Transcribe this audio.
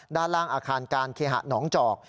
ด้านล่างอาคารการเคหะหนองจอก